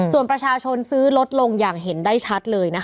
ส่วนประชาชนซื้อลดลงอย่างเห็นได้ชัดเลยนะคะ